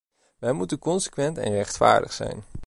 Wij moeten consequent en rechtvaardig zijn.